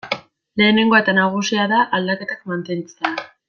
Lehenengoa eta nagusia da aldaketak mantentzea.